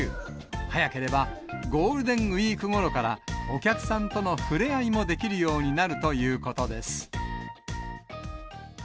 早ければゴールデンウィークごろから、お客さんとの触れ合いもできるようになるということです。